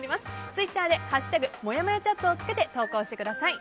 ツイッターで「＃もやもやチャット」をつけて投稿してください。